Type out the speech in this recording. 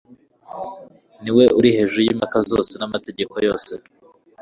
ni we uri hejuru y'impaka zose n'amategeko yose.